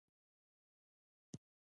په موږ کې د غیرتونو ډېر ډولونه شته.